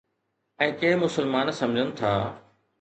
۽ ڪي مسلمان سمجھن ٿا